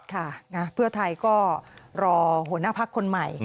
ภาคเทียร์ไทยก็รอหัวหน้าพรรคคนใหม่